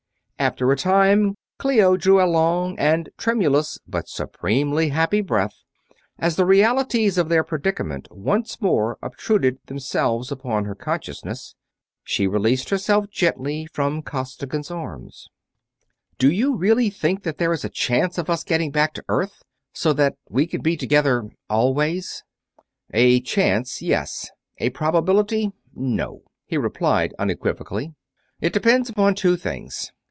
After a time Clio drew a long and tremulous, but supremely happy breath as the realities of their predicament once more obtruded themselves upon her consciousness. She released herself gently from Costigan's arms. "Do you really think that there is a chance of us getting back to the Earth, so that we can be together ... always?" "A chance, yes. A probability, no," he replied, unequivocally. "It depends upon two things.